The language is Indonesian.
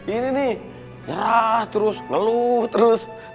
ini nih nyerah terus ngeluh terus